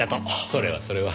それはそれは。